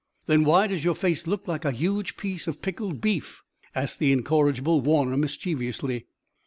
"Then why does your face look like a huge piece of pickled beef?" asked the incorrigible Warner mischievously.